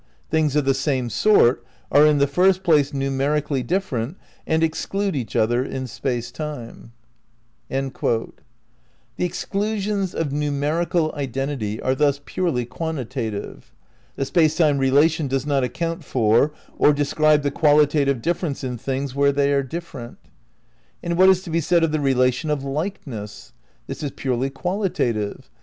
... "Things of the same sort are in the first place numerically dif ferent and exclude each other in space time." '^ Space, Time and Deity, Vol. I, p. 247. V THE CRITICAL PREPARATIONS 185 The exclusions of numerical identity are thus purely quantitative. The space time relation does not account for or describe the qualitative difference in things where they are different. And what is to be said of the relation of '' likeness ''? This is purely qualitative.